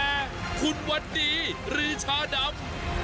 คุณวัดดีฝาคันระเบิดหรือชาดำ